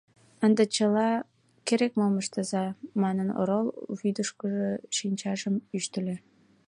Ынде чыла... керек-мом ыштыза, — манын, орол вӱдыжгышӧ шинчажым ӱштыльӧ.